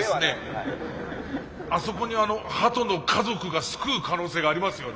あそこにあの鳩の家族が巣くう可能性がありますよね。